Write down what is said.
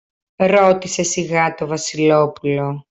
ρώτησε σιγά το Βασιλόπουλο